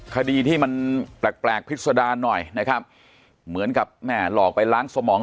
คดีที่มันแปลกแปลกพิษดารหน่อยนะครับเหมือนกับแม่หลอกไปล้างสมอง